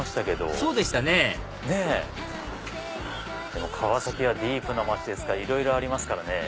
そうでしたね川崎はディープな街ですからいろいろありますからね。